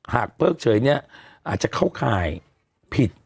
เพิกเฉยเนี่ยอาจจะเข้าข่ายผิด